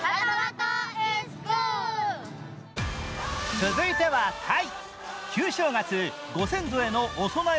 続いてはタイ。